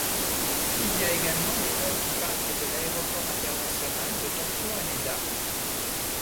Il y a également des vols qui partent de l'Aéroport international de Tokyo Haneda.